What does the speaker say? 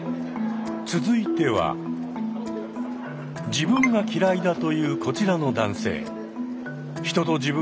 自分が嫌いだというこちらの男性。